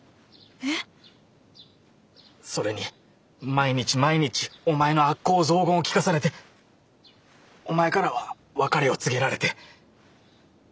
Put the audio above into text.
それに毎日毎日お前の悪口雑言を聞かされてお前からは別れを告げられて。